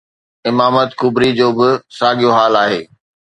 امامت ڪبريءَ جو به ساڳيو حال آهي.